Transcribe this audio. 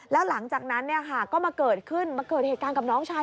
แล้วหลังจากนั้นก็มาเกิดขึ้นมาเกิดเหตุการณ์กับน้องชาย